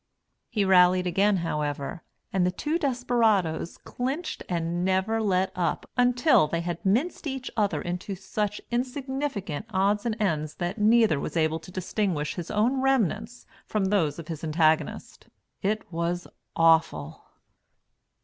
He rallied again, however, and the two desperadoes clinched and never let up until they had minced each other into such insignificant odds and ends that neither was able to distinguish his own remnants from those of his antagonist. It was awful.